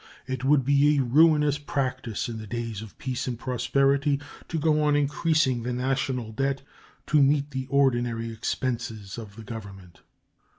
It would be a ruinous practice in the days of peace and prosperity to go on increasing the national debt to meet the ordinary expenses of the Government.